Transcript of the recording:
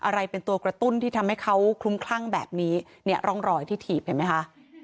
อะไรเป็นตัวกระตุ้นที่ทำให้เขาคลุ้มคลั่งแบบนี้เนี่ยร่องรอยที่ถีบเห็นไหมคะ